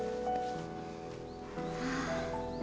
ああ